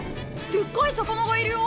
でっかい魚がいるよ。